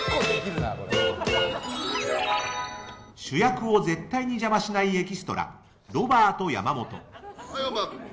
主役を絶対に邪魔しないエキストラロバート山本。